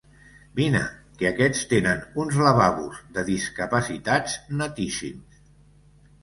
Vine, que aquests tenen uns lavabos de discapacitats netíssims.